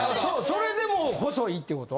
それでも細いってこと？